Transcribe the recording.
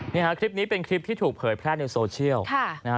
คลิปนี้เป็นคลิปที่ถูกเผยแพร่ในโซเชียลนะฮะ